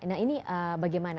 nah ini bagaimana